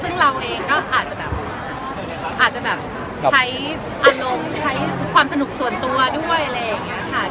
ซึ่งเราเองก็อาจจะแบบอาจจะแบบใช้อารมณ์ใช้ความสนุกส่วนตัวด้วยอะไรอย่างนี้ค่ะ